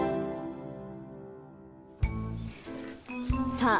さあ